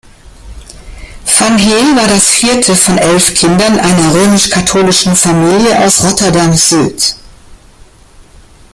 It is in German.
Van Heel war das vierte von elf Kindern einer römisch-katholischen Familie aus Rotterdam-Zuid.